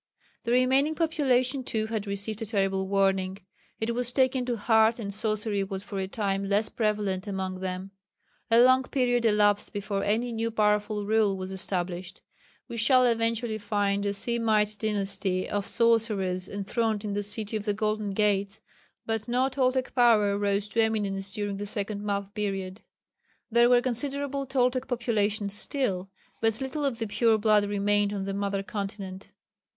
The remaining population too had received a terrible warning. It was taken to heart, and sorcery was for a time less prevalent among them. A long period elapsed before any new powerful rule was established. We shall eventually find a Semite dynasty of sorcerers enthroned in the "City of the Golden Gates," but no Toltec power rose to eminence during the second map period. There were considerable Toltec populations still, but little of the pure blood remained on the mother continent.